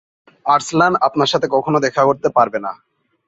আর্সলান আপনার সাথে কখনো দেখা করতে পারবে না।